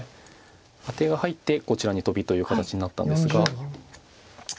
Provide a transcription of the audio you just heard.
アテが入ってこちらにトビという形になったんですが。